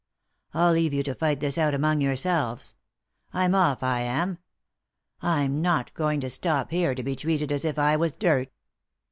I'll leave you to fight this out among yourselves. I'm off, I am ; I'm not going to stop here to be treated as if I was dirt."